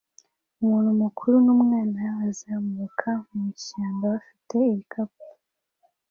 Umuntu mukuru n'umwana bazamuka mu ishyamba bafite ibikapu